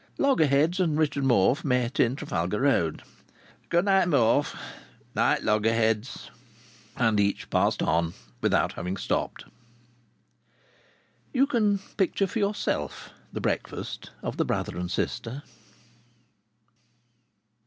Loggerheads and Richard Morfe met in Trafalgar Road. "Good night, Morfe." "'night, Loggerheads!" And each passed on, without having stopped. You can picture for yourself the breakfast of the brother and sister.